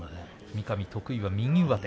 三上、得意な右上手。